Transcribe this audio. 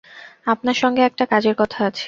আপনার সঙ্গে একটা কাজের কথা আছে।